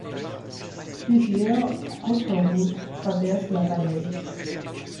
Plusieurs autoroutes traversent la vallée.